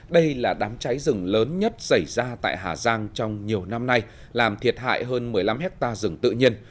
đây là đám cháy rừng lớn nhất xảy ra tại hà giang trong nhiều năm nay làm thiệt hại hơn một mươi năm hectare rừng tự nhiên